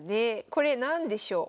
これ何でしょう？